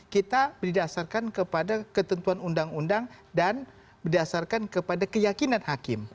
kita didasarkan kepada ketentuan undang undang dan berdasarkan kepada keyakinan hakim